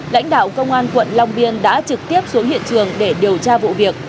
lãnh đạo công an quận long biên đã trực tiếp xuống hiện trường để điều tra vụ việc